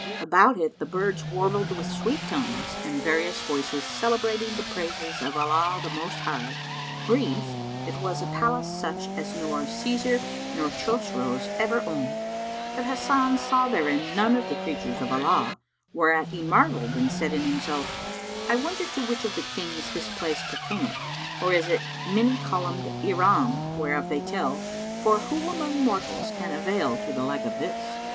About it the birds warbled with sweet tongues and various voices celebrating the praises of Allah the Most High: brief, it was a palace such as nor Cćsar nor Chosroës ever owned; but Hasan saw therein none of the creatures of Allah, whereat he marvelled and said in himself, "I wonder to which of the Kings this place pertaineth, or is it Many Columned Iram whereof they tell, for who among mortals can avail to the like of this?"